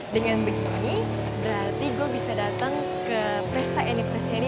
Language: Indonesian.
dengan begini berarti gue bisa dateng ke prestai aniversari